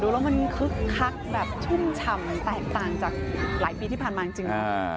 แล้วมันคึกคักแบบชุ่มฉ่ำมันแตกต่างจากหลายปีที่ผ่านมาจริง